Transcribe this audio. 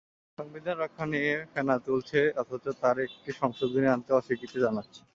সংবিধান রক্ষা নিয়ে ফেনা তুলছে অথচ তারা একটি সংশোধনী আনতে অস্বীকৃতি জানাচ্ছে।